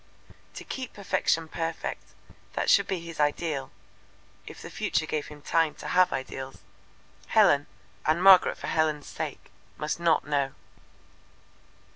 To keep perfection perfect, that should be his ideal, if the future gave him time to have ideals. Helen, and Margaret for Helen's sake, must not know.